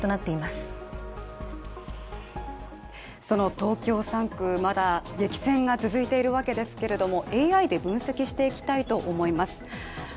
東京３区、まだ激戦が続いているわけですけどＡＩで分析していきたいと思います。